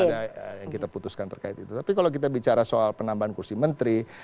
ada yang kita putuskan terkait itu tapi kalau kita bicara soal penambahan kursi menteri